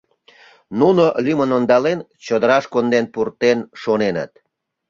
Нуно, лӱмын ондален, чодыраш конден пуртен, шоненыт.